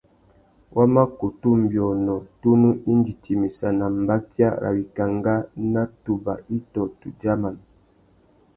Wa má kutu nʼbiônô tunu indi timissana mbakia râ wikangá nà tubà itô tudjaman.